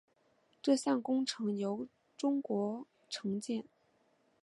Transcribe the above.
这项工程由中国承建。